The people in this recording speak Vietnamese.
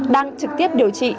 đang trực tiếp điều trị